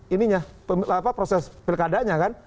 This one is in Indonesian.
ini nya proses pilkadanya kan